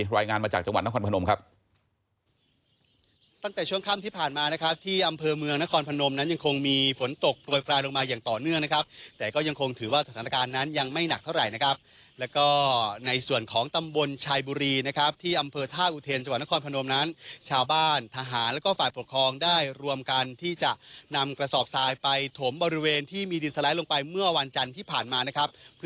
รายงานมาจากจังหวัดนครพนมครับ